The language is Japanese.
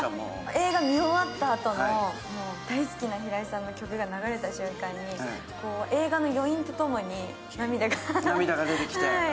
映画見終わったあとの大好きな平井さんの曲が流れた瞬間に映画の余韻とともに、涙が。